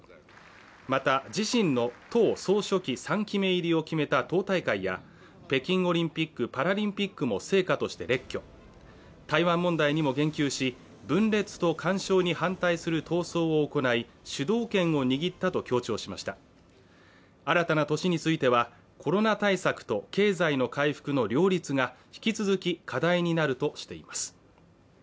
また自身の党総書記３期目入りを決めた党大会や北京オリンピック・パラリンピックも成果として列挙台湾問題にも言及し分裂と干渉に反対する闘争を行い主導権を握ったと強調しました新たな年についてはコロナ対策と経済の回復の両立が引き続き課題になるとしています